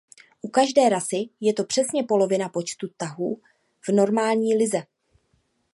U každé rasy je to přesně polovina počtu tahů v normální lize.